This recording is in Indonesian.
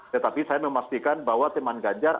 tetapi saya memastikan bahwa teman ganjar